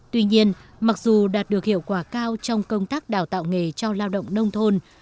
tuy nhiên mặc dù đạt được hiệu quả cao trong công tác đào tạo nghề cho lao động nông thôn